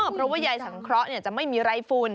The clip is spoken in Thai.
เพราะว่ายายสังเคราะห์จะไม่มีไร้ฝุ่น